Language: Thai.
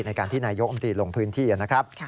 ในการที่นายกองตรีลงพื้นที่นะครับ